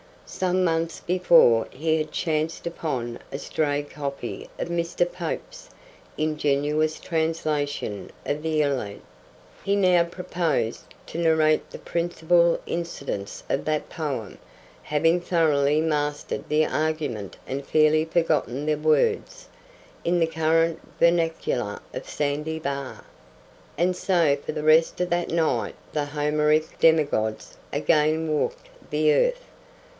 Some months before he had chanced upon a stray copy of Mr. Pope's ingenious translation of the ILIAD. He now proposed to narrate the principal incidents of that poem having thoroughly mastered the argument and fairly forgotten the words in the current vernacular of Sandy Bar. And so for the rest of that night the Homeric demigods again walked the earth.